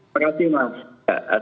terima kasih mas